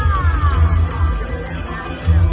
มันเป็นเมื่อไหร่แล้ว